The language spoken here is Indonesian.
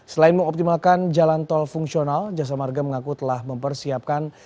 selain mengoptimalkan jalan tol fungsional jasa marga mengaku telah mempersiapkan